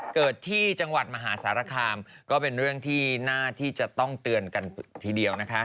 เกิดที่จังหวัดมหาสารคามก็เป็นเรื่องที่น่าที่จะต้องเตือนกันทีเดียวนะคะ